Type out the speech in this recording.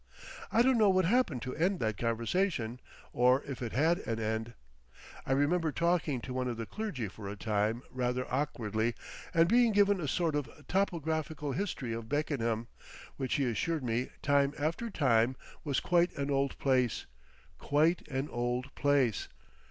I don't know what happened to end that conversation, or if it had an end. I remember talking to one of the clergy for a time rather awkwardly, and being given a sort of topographical history of Beckenham, which he assured me time after time was "Quite an old place. Quite an old place."